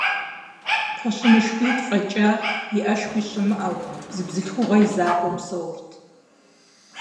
КхъуэщынышхуитӀ фӀэкӀа, иӀэшхуи щымыӀэу, зы бзылъхугъэ и закъуэу псэурт.